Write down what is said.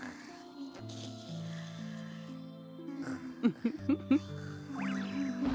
ウフフフ。